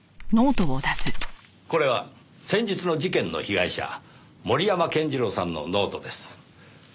これは先日の事件の被害者森山健次郎さんのノートです。